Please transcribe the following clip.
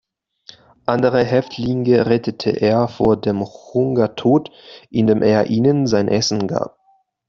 Andere Häftlinge rettete er vor dem Hungertod, indem er ihnen sein Essen gab.